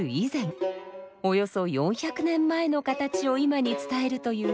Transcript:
およそ４００年前の形を今に伝えるという柳川三味線。